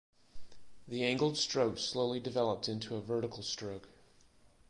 The angled stroke slowly developed into a vertical stroke.